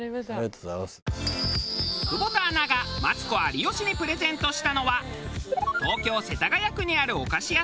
久保田アナがマツコ有吉にプレゼントしたのは東京世田谷区にあるお菓子屋さん